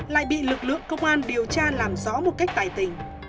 lại bị lực lượng công an điều tra làm rõ một cách tài tình